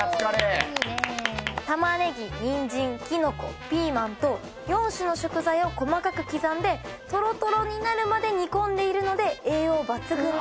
タマネギニンジンきのこピーマンと４種の食材を細かく刻んでとろとろになるまで煮込んでいるので栄養抜群な一品。